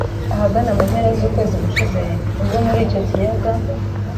Ahagana mu mpera z’ukwezi gushize nibwo muri icyo kiyaga